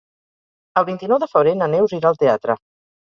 El vint-i-nou de febrer na Neus irà al teatre.